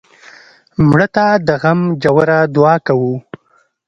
مړه ته د غم ژوره دعا کوو